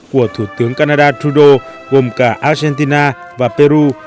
của thủ tướng canada trudeau gồm cả argentina và peru